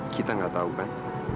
kita nggak tahukan